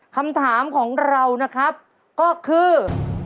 คำถามของเรานะครับก็คือ